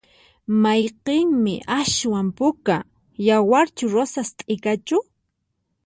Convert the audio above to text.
Mayqinmi aswan puka? yawarchu rosas t'ikachu?